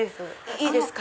いいですか？